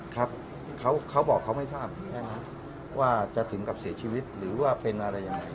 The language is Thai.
ครับเขาบอกเขาไม่ทราบใช่ไหมว่าจะถึงกับเสียชีวิตหรือว่าเป็นอะไรยังไง